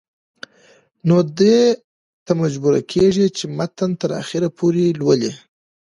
نو دې ته مجبوره کيږي چې متن تر اخره پورې لولي